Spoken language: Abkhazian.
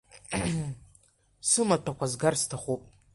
Сымаҭәақәа згар сҭахуп.